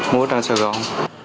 mua ở trang sài gòn